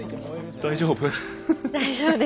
大丈夫？